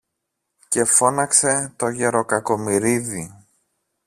Και φώναξε το γερο-Κακομοιρίδη